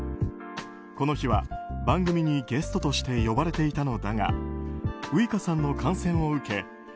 この日は、番組にゲストとして呼ばれていたのだがウイカさんの感染を受け